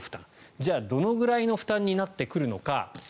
じゃあ、どのくらいの負担になってくるのか。